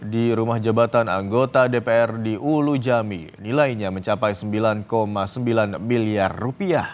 di rumah jabatan anggota dpr di ulu jami nilainya mencapai rp sembilan sembilan miliar rupiah